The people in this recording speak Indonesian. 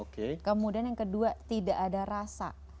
kemudian yang kedua tidak ada rasa